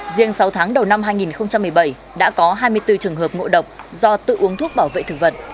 riêng sáu tháng đầu năm hai nghìn một mươi bảy đã có hai mươi bốn trường hợp ngộ độc do tự uống thuốc bảo vệ thực vật